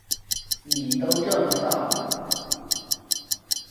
妳都这么大了